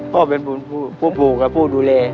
พ่อเป็นผู้ปลูกครับผู้ดูแล